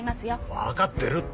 わかってるって。